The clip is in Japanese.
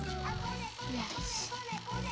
よし。